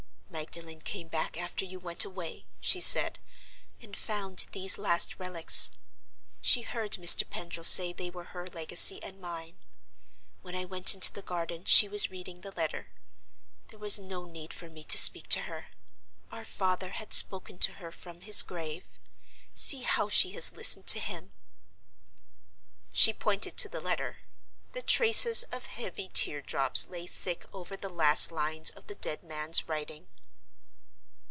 "Magdalen came back after you went away," she said, "and found these last relics. She heard Mr. Pendril say they were her legacy and mine. When I went into the garden she was reading the letter. There was no need for me to speak to her; our father had spoken to her from his grave. See how she has listened to him!" She pointed to the letter. The traces of heavy tear drops lay thick over the last lines of the dead man's writing.